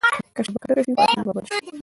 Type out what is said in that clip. که شبکه ډکه شي ماشینونه به بند شي.